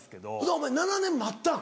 お前７年待ったん？